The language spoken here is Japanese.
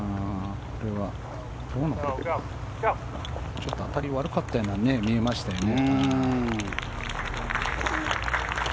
ちょっと当たり悪かったように見えましたよね。